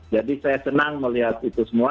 jadi saya senang melihat itu semua